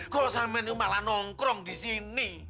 kok sampai ini malah nongkrong di sini